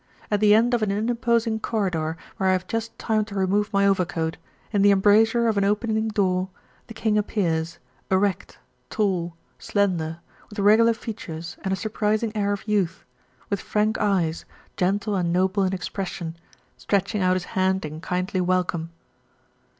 At the end of an unimposing corridor where I have just time to remove my overcoat, in the embrasure of an opening door, the King appears, erect, tall, slender, with regular features and a surprising air of youth, with frank eyes, gentle and noble in expression, stretching out his hand in kindly welcome.